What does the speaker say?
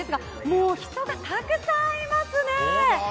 もう、人がたくさんいますね。